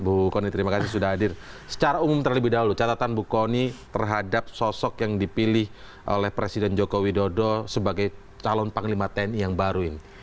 bu kony terima kasih sudah hadir secara umum terlebih dahulu catatan bu kony terhadap sosok yang dipilih oleh presiden joko widodo sebagai calon panglima tni yang baru ini